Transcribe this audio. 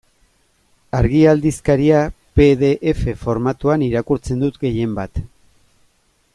Argia aldizkaria pe de efe formatuan irakurtzen dut gehienbat.